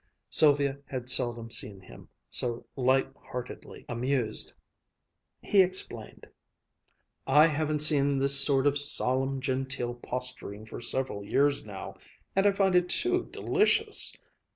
Sylvia had seldom seen him so light heartedly amused. He explained: "I haven't seen this sort of solemn, genteel posturing for several years now, and I find it too delicious!